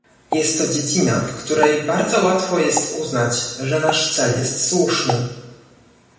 Jest to dziedzina, w której bardzo łatwo jest uznać, że nasz cel jest słuszny